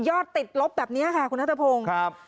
ติดลบแบบนี้ค่ะคุณนัทพงศ์